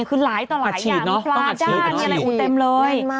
คือหลายต่อหลายอย่างมีปลาด้านมีอะไรเต็มเลย